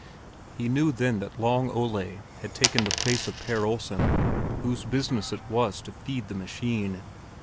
He knew then that Long Ole had taken the place of Per Olsen, whose business it was to feed the machine.